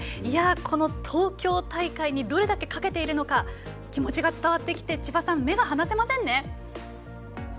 この東京大会にどれだけかけているのか伝わってきて千葉さん、目が離せませんね。